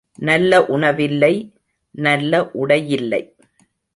நல்ல உணவில்லை, நல்ல உடையில்லை.